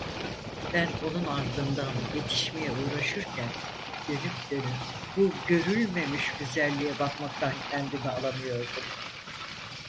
Ben onun ardından yetişmeye uğraşırken, dönüp dönüp bu görülmemiş güzelliğe bakmaktan kendimi alamıyordum.